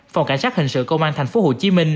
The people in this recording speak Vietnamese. phòng cảnh sát hình sự công an tp hcm